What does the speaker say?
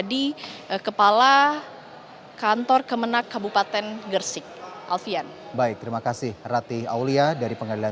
dan haris juga menjadi kepala